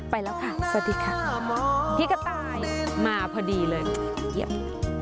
ไปแล้วค่ะสวัสดีค่ะ